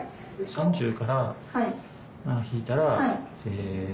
３０から７引いたらえ。